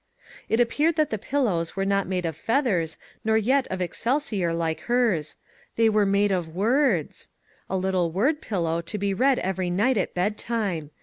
It appeared that the pillows were not made of feathers, nor yet of excelsior like hers they were made of zvords! A little word pillow to be read every night at bed time.